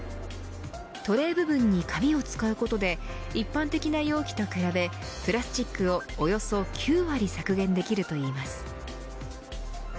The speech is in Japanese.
トレー部分に紙を使うことで一般的な容器と比べプラスチックをおよそ９割削減できるといいます。